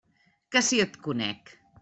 Que si et conec!